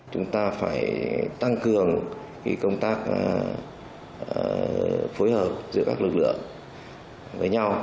chúng ta phải tăng cường công tác phối hợp giữa các lực lượng với nhau